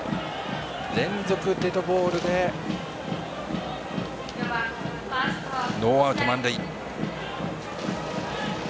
連続デッドボールでノーアウト、満塁。